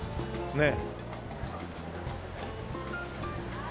ねえ。